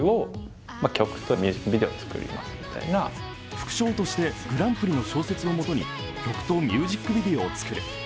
副賞としてグランプリの小説をもとに曲とミュージックビデオを作る。